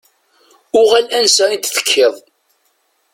Uɣal ansa i d-tekkiḍ.